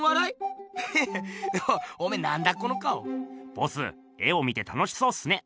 ボス絵を見て楽しそうっすね。